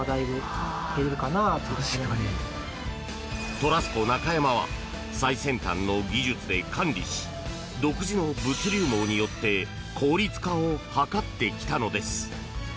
トラスコ中山は最先端の技術で管理し独自の物流網によって効率化を図ってきたのです。